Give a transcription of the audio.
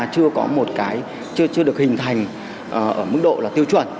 chưa được hình thành ở mức độ tiêu chuẩn